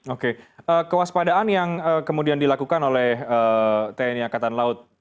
oke kewaspadaan yang kemudian dilakukan oleh tni angkatan laut